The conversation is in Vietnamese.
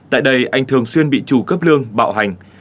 tại đây anh thường xuyên bị chủ cấp lương bạo hành